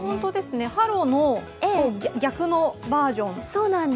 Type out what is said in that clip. ハロの逆のバージョンみたいな。